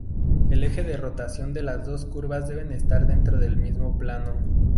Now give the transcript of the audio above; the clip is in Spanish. El eje de rotación de las dos curvas deben estar dentro del mismo plano.